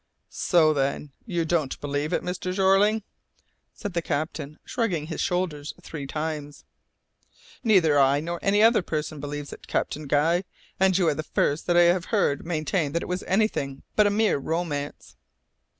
"So, then, you don't believe it, Mr. Jeorling?" said the captain, shrugging his shoulders three times. "Neither I nor any other person believes it, Captain Guy, and you are the first I have heard maintain that it was anything but a mere romance."